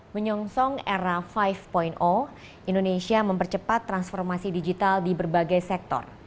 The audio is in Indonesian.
menyongsong era lima indonesia mempercepat transformasi digital di berbagai sektor